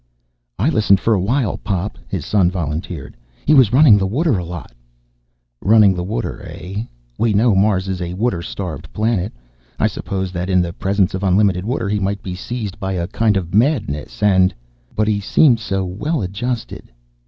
"I listened for a while, Pop," his son volunteered. "He was running the water a lot." "Running the water, eh? We know Mars is a water starved planet. I suppose that in the presence of unlimited water, he might be seized by a kind of madness and ... But he seemed so well adjusted."